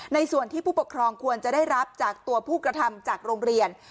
ในส่วนที่ผู้ปกครองควรจะได้รับจากตัวผู้กระทำจากโรงเรียน